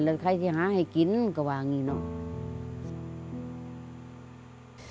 แล้วใครที่หาให้กินก็ว่าอย่างนี้เนาะ